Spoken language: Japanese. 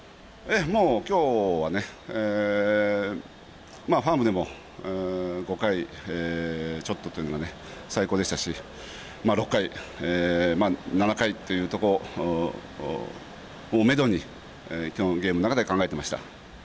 きょうはファームでも５回ちょっとというのは最高でしたし６回、７回というところをめどにきょうのゲームの中で考えていました。